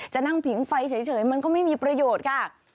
จะนั่งผิงไฟเฉยมันก็ไม่มีประโยชน์ค่ะ